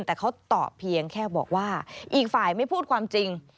แต่เขาตอบเพียงแค่บอกว่าอีกฝ่ายไม่พูดความจริง